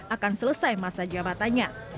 akan selesai masa jabatannya